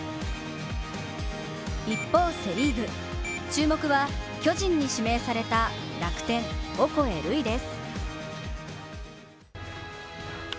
一方、セ・リーグ注目は巨人に指名された楽天・オコエ瑠偉です。